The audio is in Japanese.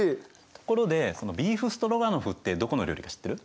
ところでそのビーフストロガノフってどこの料理か知ってる？